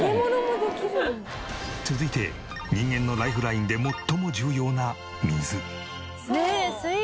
続いて人間のライフラインで最も重要な水。